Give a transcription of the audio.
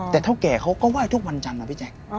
ตอนแกเขาก็ไหว้ทุกวันจังนะพี่แจง